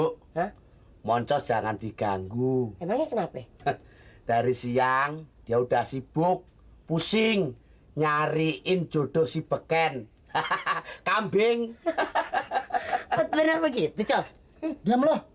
ha ha moncos jangan diganggu emang kenapa dari siang dia udah sibuk pusing nyariin jodoh si beken hahaha kambing hahaha bener begitu diam loh enggak tahu gue bisa disemprot sama babes disemprot hasilnya